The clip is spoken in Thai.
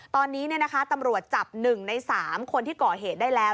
ตอนนี้ตำรวจจับ๑ใน๓คนที่ก่อเหตุได้แล้ว